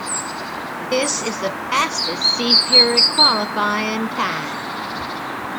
This is the fastest Sea Fury qualifying time.